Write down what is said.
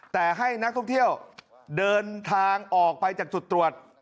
แต่ให้นักท่องเที่ยวเดินทางออกไปจากจุดตรวจ